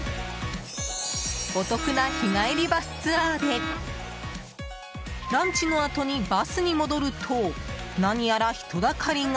お得な日帰りバスツアーでランチのあとにバスに戻ると何やら人だかりが。